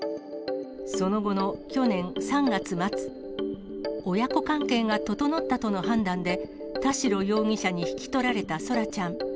その後の去年３月末、親子関係が整ったとの判断で、田代容疑者に引き取られた空来ちゃん。